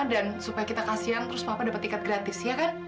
dan supaya kita kasian terus papa dapet tiket gratis ya kan